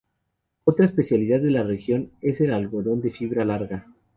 Otra especialidad de la región es el algodón de fibra larga.